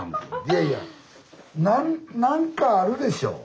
いやいやな何かあるでしょう？